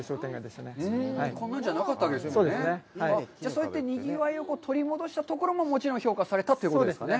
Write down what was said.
そうやってにぎわいを取り戻したところももちろん評価されたということですかね。